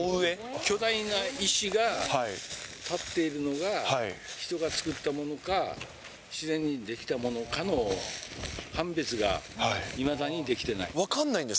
巨大な石がたっているのが、人が造ったものか、自然に出来たものかの判別がいまだにできてな分かんないです？